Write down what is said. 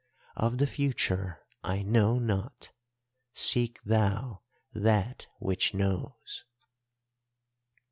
Of the future I know naught; seek thou that which knows.